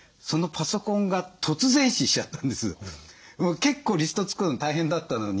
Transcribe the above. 結構リスト作るの大変だったのに。